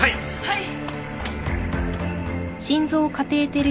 はい！